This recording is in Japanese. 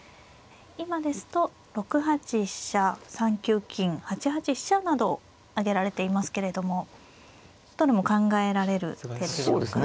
今ですと６八飛車３九金８八飛車など挙げられていますけれどもどれも考えられる手というか。